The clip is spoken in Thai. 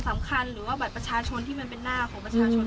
ที่มันเป็นหน้าของประชาชนทั่วไปมาทิ้งอย่างนี้